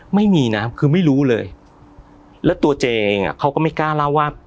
ไม่มีนะคือไม่รู้เลยแล้วตัวเจเองอ่ะเขาก็ไม่กล้าเล่าว่า